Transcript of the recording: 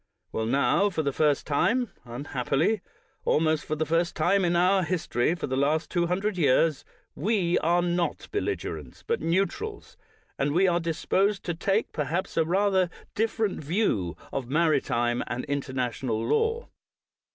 Well, now, for the first time, unhappily — almost for the first time in our history for the last two hundred years — we are not belligerents, but neutrals ; and we are disposed to take, perhaps, rather a dif ferent view of maritime and international law.